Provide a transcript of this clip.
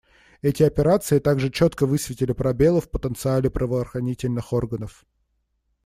Эти операции также четко высветили пробелы в потенциале правоохранительных органов.